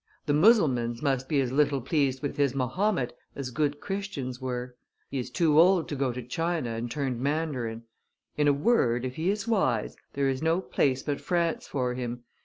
The Mussulmans must be as little pleased with his Mahomet as good Christians were. He is too old to go to China and turn mandarin; in a word, if he is wise, there is no place but France for him.